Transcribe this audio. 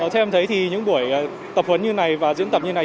theo em thấy thì những buổi tập huấn như này và diễn tập như này